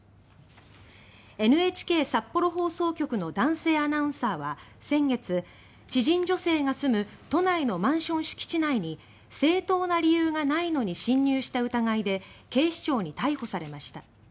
ＮＨＫ札幌放送局の男性アナウンサーは先月知人女性が住む都内のマンション敷地内に正当な理由がないのに侵入した疑いで警視庁に逮捕されました。